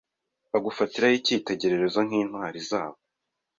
badufatiraho icyitegererezo nk’ intwari zabo